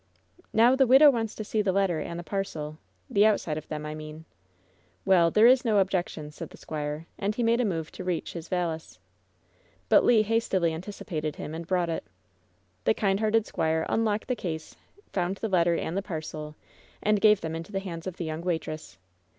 "Now, the widow wants to see the letter and the parcel — the outside of them, I mean." "Well, there is no objection," said the squire. And he made a move to reach his valise. But Le hastily anticipated him and brought it. The kind hearted squire unlocked the case, found the letter and the parcel, and gave them into the hands of the young waitress.